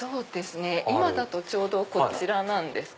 今だとちょうどこちらです。